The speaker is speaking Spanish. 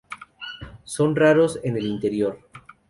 Son raros en el interior.